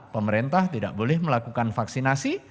pemerintah tidak boleh melakukan vaksinasi